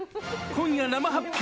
今夜生発表。